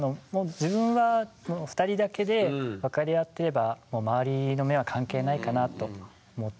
自分は２人だけで分かり合っていればもう周りの目は関係ないかなと思っていますね。